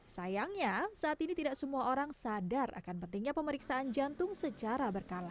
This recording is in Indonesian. sayangnya saat ini tidak semua orang sadar akan pentingnya pemeriksaan jantung secara berkala